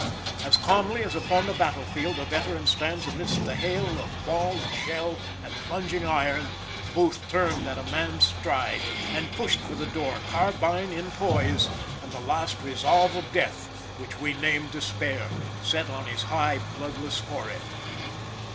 As calmly as upon the battlefield a veteran stands amidst the hail of ball and shell, and plunging iron, Booth turned at a man's stride, and pushed for the door, carbine in poise, and the last resolve of death, which we name despair, set on his high, bloodless forehead.